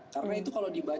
karena itu adalah permasalahan